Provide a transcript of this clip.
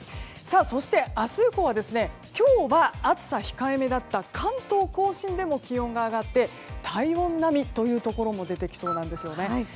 そして明日以降は今日は暑さ控えめだった関東・甲信でも気温が上がって体温並みというところも出てきそうなんですよね。